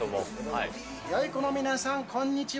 よい子の皆さん、こんにちは。